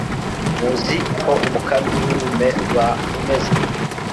Muzi ko umukamyi w'urume rwa Rumeza,